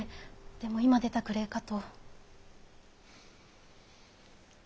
でも今出たくれえかと。